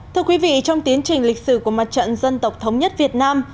thưa quý vị trong tiến trình lịch sử của mặt trận dân tộc thống nhất việt nam